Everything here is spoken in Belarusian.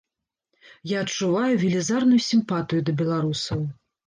Я адчуваю велізарную сімпатыю да беларусаў.